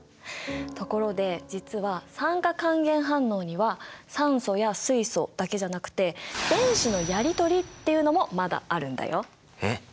ところで実は酸化還元反応には酸素や水素だけじゃなくて電子のやりとりっていうのもまだあるんだよ。え？